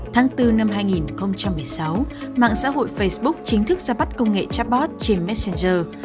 tháng bốn năm hai nghìn một mươi sáu mạng xã hội facebook chính thức ra bắt công nghệ chatbot trên messenger